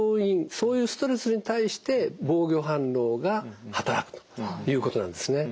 そういうストレスに対して防御反応が働くということなんですね。